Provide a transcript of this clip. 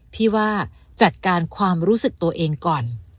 พี่ว่าจัดการความรู้สึกตัวเองก่อน